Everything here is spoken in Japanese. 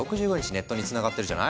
ネットにつながってるじゃない？